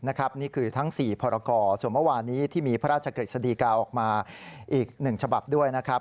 นี่คือทั้ง๔พรกรส่วนเมื่อวานนี้ที่มีพระราชกฤษฎีกาออกมาอีก๑ฉบับด้วยนะครับ